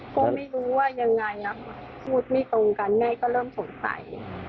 ก็ไม่รู้ว่ายังไงนะคะพูดไม่ตรงกันแม่ก็เริ่มสงสัย